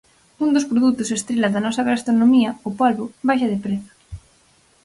Un dos produtos estrela da nosa gastronomía, o polbo, baixa de prezo.